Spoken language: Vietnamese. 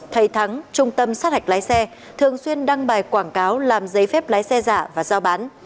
thầy thắng trung tâm sát hạch lái xe thường xuyên đăng bài quảng cáo làm giấy phép lái xe giả và giao bán